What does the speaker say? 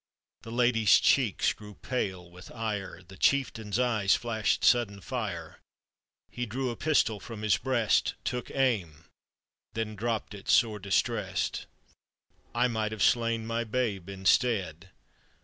The lady's cheeks grew pale with ire, The chieftain's eyes flashed sudden fire ; He drew a pistol from his breast, Took aim, then dropped it, sore distrest. "I might have slain my babe instead.